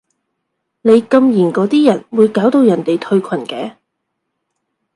你禁言嗰啲人會搞到人哋退群嘅